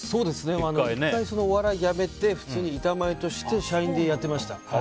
１回、お笑い辞めて普通に板前として社員でやってました。